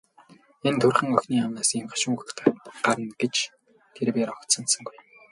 Энэ турьхан охины амнаас ийм гашуун үг гарна гэж тэр бээр огт санасангүй.